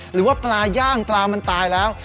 หรือว่าปลาย่างปลามันตายแล้ว